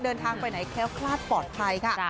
เดินทางไปไหนแค้วคลาดปลอดภัยค่ะ